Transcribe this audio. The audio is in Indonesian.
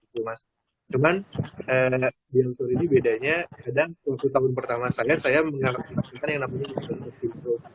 cuma di oxford ini bedanya kadang untuk tahun pertama saya saya mengharapkan yang namanya ini